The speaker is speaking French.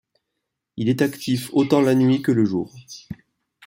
Il est actif autant la nuit que le jour.